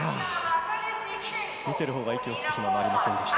見てるほうが息をつく暇がありませんでした。